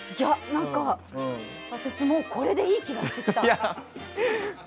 私もうこれでいい気がしてきた。